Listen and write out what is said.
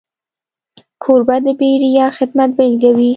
کوربه د بېریا خدمت بيلګه وي.